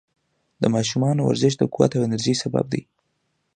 د ماشومانو ورزش د قوت او انرژۍ سبب دی.